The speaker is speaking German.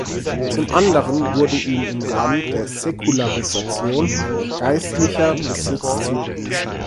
Zum anderen wurde ihnen im Rahmen der Säkularisation geistlicher Besitz zugewiesen.